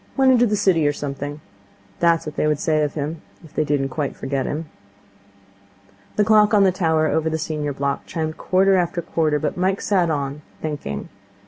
Went into the city or something.' That was what they would say of him, if they didn't quite forget him. The clock on the tower over the senior block chimed quarter after quarter, but Mike sat on, thinking.